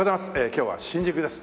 今日は新宿です。